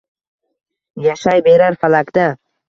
Yashayberar falakda.